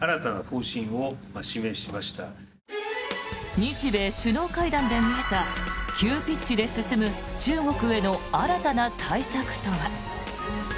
日米首脳会談で見えた急ピッチで進む中国への新たな対策とは。